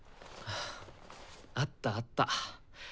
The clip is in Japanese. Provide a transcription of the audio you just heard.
あったあった。